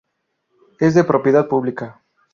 Es de propiedad pública.